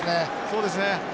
そうですね。